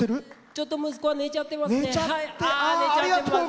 ちょっと息子は寝ちゃってますね。